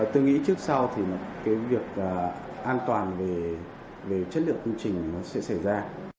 tôi nghĩ trước sau thì cái việc an toàn về chất lượng công trình nó sẽ xảy ra